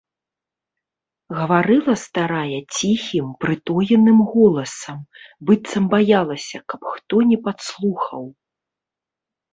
Гаварыла старая ціхім, прытоеным голасам, быццам баялася, каб хто не падслухаў.